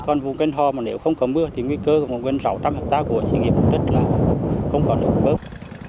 còn vùng kinh hòa mà nếu không có mưa thì nguy cơ còn gần sáu trăm linh hectare của sinh kế vùng đất là không còn nước mưa